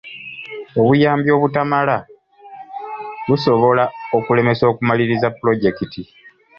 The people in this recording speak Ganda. Obuyambi obutamala busobola okulemesa okumaliriza pulojekiti.